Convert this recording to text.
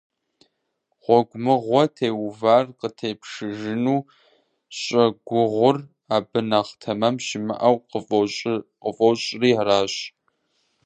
Гъуэгумыгъуэ теувар къытепшыжыну щӀэгугъур, абы нэхъ тэмэм щымыӀэу къыфӀощӀри аращ.